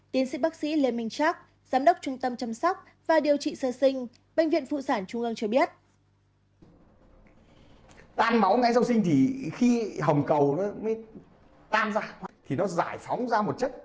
tiến sĩ bác sĩ lê minh trác giám đốc trung tâm chăm sóc và điều trị sơ sinh bệnh viện phụ sản trung ương cho biết